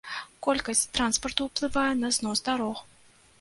Колькасць транспарту ўплывае на знос дарог.